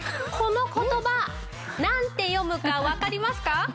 この言葉なんて読むかわかりますか？